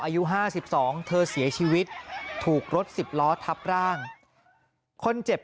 อายุ๕๒เธอเสียชีวิตถูกรถสิบล้อทับร่างคนเจ็บ